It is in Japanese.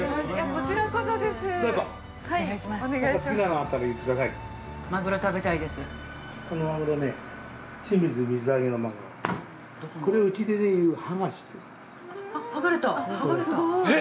こちらこそです。